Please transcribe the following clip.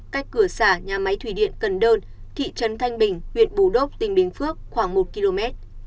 cách cửa xã nhà máy thủy điện cần đơn thị trấn thanh bình huyện bù đốc tỉnh bình phước khoảng một km